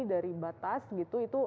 dari batas itu